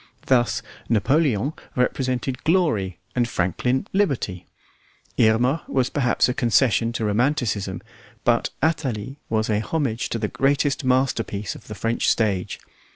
Thus Napoleon represented glory and Franklin liberty; Irma was perhaps a concession to romanticism, but Athalie was a homage to the greatest masterpiece of the French stage.